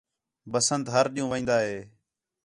بسنت ہِر ݙِین٘ہوں وین٘دا ہِے